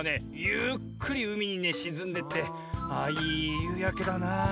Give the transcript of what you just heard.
ゆっくりうみにねしずんでってあいいゆうやけだなみたいな。